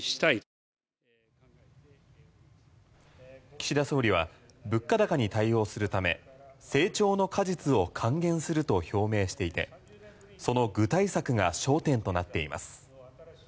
岸田総理は物価高に対応するため成長の果実を還元すると表明していてその具体策が焦点となっています。